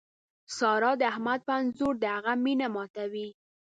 سارا د احمد په انځور د هغه مینه ماتوي.